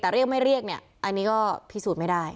แต่เรียกไม่เรียกเนี่ยอันนี้ก็พิสูจน์ไม่ได้